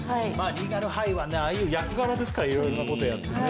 『リーガル・ハイ』はねああいう役柄ですから色々なことやってね。